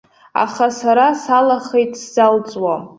Аха сара салахеит, сзалҵуам.